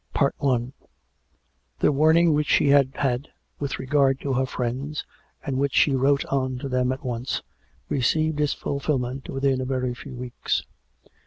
CHAPTER VIII The warning which she had had with regard to her friends, and which she virote on to them at once, received its ful filment within a very few weeks.